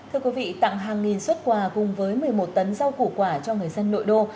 thưa quý vị tặng hàng nghìn xuất quà cùng với một mươi một tấn rau củ quả cho người dân nội đô